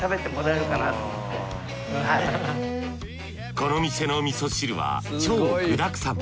この店の味噌汁は超具だくさん。